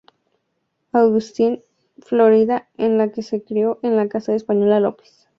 Augustine, Florida, en la que se crio en la casa del español López.